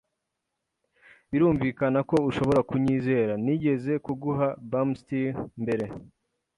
Birumvikana ko ushobora kunyizera. Nigeze kuguha bum steer mbere?